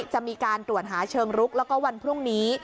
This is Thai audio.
จะมีการตรวจหาเชิงรุกแล้วก็วันพรุ่งนี้